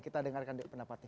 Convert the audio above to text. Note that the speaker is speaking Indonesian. kita dengarkan pendapatnya